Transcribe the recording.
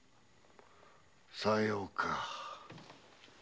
さようか。